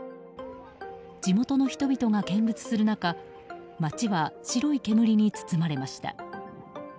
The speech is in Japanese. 地元の人々が見物する中町は白い煙に包まれました。